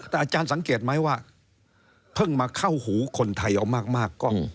แต่อาจารย์สังเกตไหมว่าเพิ่งมาเข้าหูคนไทยเอามาก